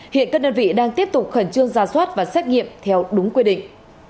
hiện các đơn vị đang tiếp tục khẩn trương ra soát và xét nghiệm theo đúng quy định